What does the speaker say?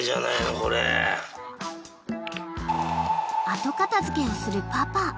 ［後片付けをするパパ］